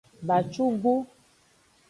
Bacugu.